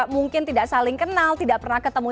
mungkin tidak saling kenal tidak pernah ketemu